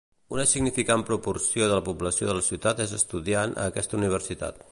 Una significant proporció de la població de la ciutat és estudiant a aquesta universitat.